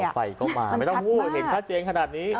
ไฟก็มาไม่ต้องเห็นชัดเจนขนาดนี้